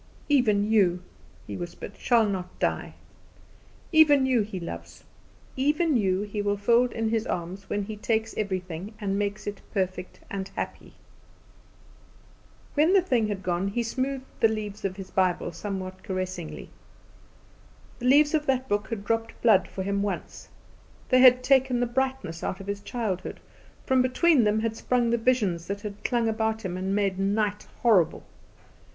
"Even you," he whispered, "shall not die. Even you He loves. Even you He will fold in His arms when He takes everything and makes it perfect and happy." When the thing had gone he smoothed the leaves of his Bible somewhat caressingly. The leaves of that book had dropped blood for him once; they had taken the brightness out of his childhood; from between them had sprung the visions that had clung about him and made night horrible.